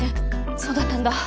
そうだったんだ。